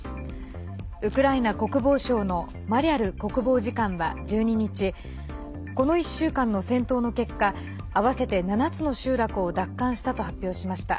ウクライナ国防省のマリャル国防次官は１２日この１週間の戦闘の結果合わせて７つの集落を奪還したと発表しました。